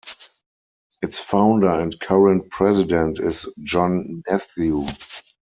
Its founder and current president is John Nephew.